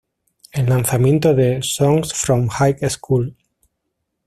El lanzamiento de "Songs From High School.